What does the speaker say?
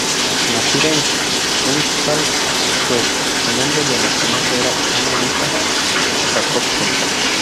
Nacida en Sundsvall, Suecia, su nombre de nacimiento era Anna-Lisa Jacobson.